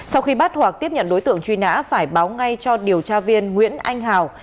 sau khi bắt hoặc tiếp nhận đối tượng truy nã phải báo ngay cho điều tra viên nguyễn anh hào